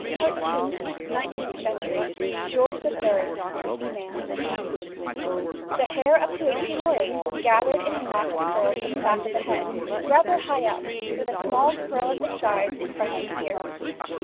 NINETEENTH CENTURY. GEORGE III. FEMALE. The hair up to 1808 was gathered into a knot of curls at the back of the head, rather high up, with a small curl at the sides in front of the ear.